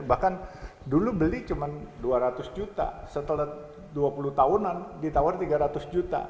bahkan dulu beli cuma dua ratus juta setelah dua puluh tahunan ditawar tiga ratus juta